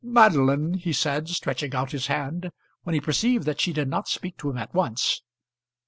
"Madeline," he said, stretching out his hand when he perceived that she did not speak to him at once.